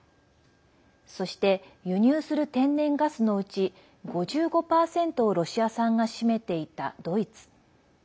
そして、輸入する天然ガスのうち５５％をロシア産が占めていたドイツ。